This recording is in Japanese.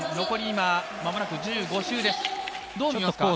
残り間もなく１５周です。